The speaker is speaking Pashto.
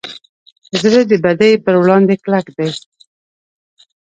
زړه د بدۍ پر وړاندې کلک دی.